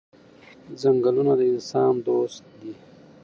ځنګلونه د انسان دوست دي.